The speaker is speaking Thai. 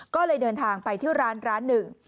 ก็เลยเดินทางไปที่ร้านร้านหนึ่ง